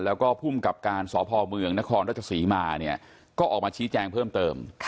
แล้วก็ภูมิกับการสพเมืองนครราชศรีมาเนี่ยก็ออกมาชี้แจงเพิ่มเติม